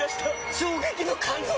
衝撃の感動作！